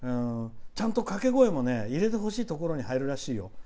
ちゃんと掛け声も入れてほしいところに入るらしいよ